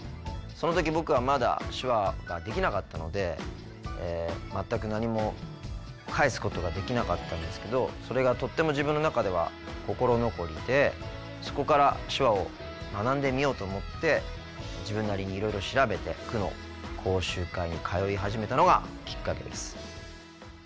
その時僕はまだ手話はできなかったので全く何も返すことができなかったんですけどそれがとっても自分の中では心残りでそこから手話を学んでみようと思って自分なりにいろいろ調べて区の講習会に通い始めたのがきっかけです。